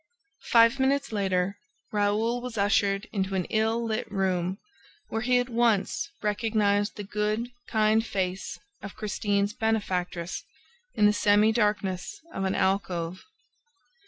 Five minutes later, Raoul was ushered into an ill lit room where he at once recognized the good, kind face of Christine's benefactress in the semi darkness of an alcove.